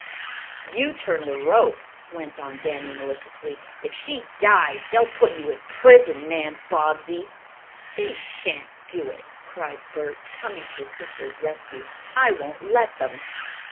"You turned the rope," went on Danny maliciously. "If she dies, they'll put you in prison, Nan Bobbsey." "They shan't do it!" cried Bert, coming to his sister's rescue. "I won't let them."